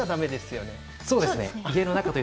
そうです。